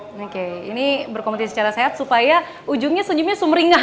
oke ini berkompetisi secara sehat supaya ujungnya senyumnya sumringah